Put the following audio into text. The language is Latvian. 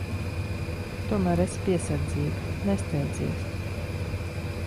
Tomēr esi piesardzīga. Nesteidzies.